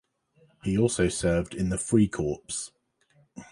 He also served in the "Freikorps".